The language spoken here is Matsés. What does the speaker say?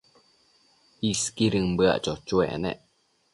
Isquidën bëac cho-choec nec